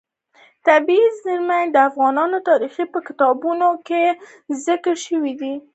طبیعي زیرمې د افغان تاریخ په کتابونو کې ذکر شوی دي.